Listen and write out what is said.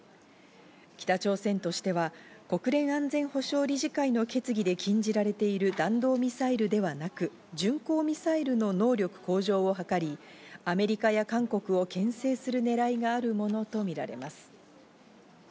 北朝鮮としては国連安全保障理事会の決議で禁じられている弾道ミサイルではなく、巡航ミサイルの能力向上をはかり、アメリカや韓国を牽制するねらいがあるものとみられます。